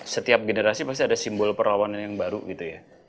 setiap generasi pasti ada simbol perlawanan yang baru gitu ya